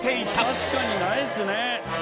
確かにないですね。